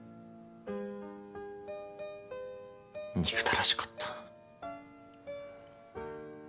憎たらしかった。